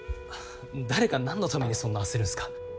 誰が何のためにそんな焦るんすか？